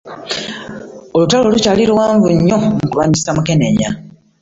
Olutalo lukyali lw'amanyi mu kulwanisa mukenenya.